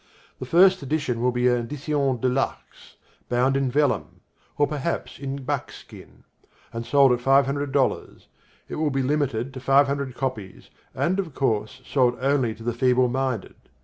The first edition will be an édition de luxe bound in vellum, or perhaps in buckskin, and sold at five hundred dollars. It will be limited to five hundred copies and, of course, sold only to the feeble minded.